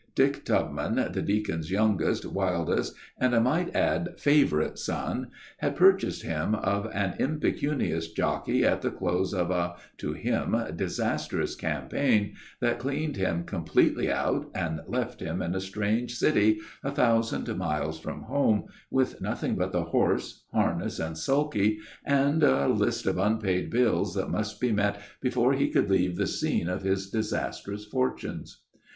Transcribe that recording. Dick Tubman, the deacon's youngest, wildest, and, we might add, favorite son, had purchased him of an impecunious jockey, at the close of a disastrous campaign, that cleaned him completely out, and left him in a strange city a thousand miles from home, with nothing but the horse, harness, and sulky, and a list of unpaid bills that must be met before he could leave the scene of his disastrous fortunes.